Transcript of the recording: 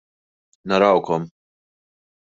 Narawkom.